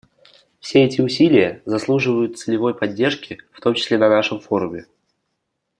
Все эти усилия заслуживают целевой поддержки, в том числе на нашем форуме.